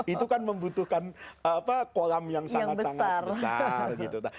itu kan membutuhkan kolam yang sangat sangat besar gitu